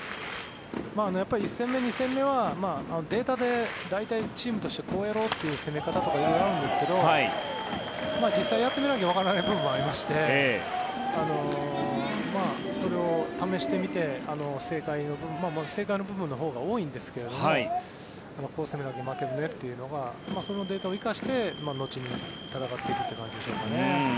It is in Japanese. やっぱり１戦目、２戦目はデータで大体、チームとしてこうやろうっていう攻め方とか色々あるんですけど実際やってみなきゃわからない部分がありましてそれを試してみて正解の部分もちろん正解の部分ほうが多いんですけれどもこう攻めなきゃ負けるねというのがそのデータを生かして後に戦っていくという感じでしょうかね。